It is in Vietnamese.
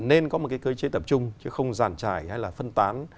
nên có một cái cơ chế tập trung chứ không giàn trải hay là phân tán